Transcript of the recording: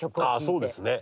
ああそうですね。